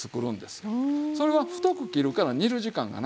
それは太く切るから煮る時間が長い。